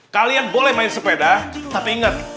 kalian boleh main sepeda tapi ingat